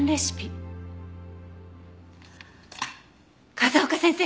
風丘先生